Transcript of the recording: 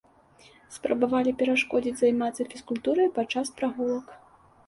Спрабавалі перашкодзіць займацца фізкультурай падчас прагулак.